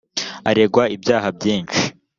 aregwa ibyaha byinshi.